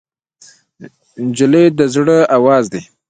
نجلۍ د زړه آواز دی.